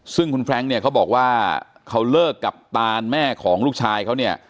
ซึ่งคุณแร้งเนี่ยเขาบอกว่าเขาเลิกกับตานแม่ของลูกชายเขาเนี่ย